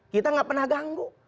kita tidak pernah ganggu